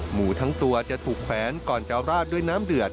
หมูทั้งตัวจะถูกแขวนก่อนจะราดด้วยน้ำเดือด